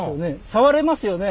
触れますよね？